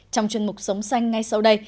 trong chương mục sống xanh ngay sau đây